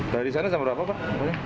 dari sana jam berapa pak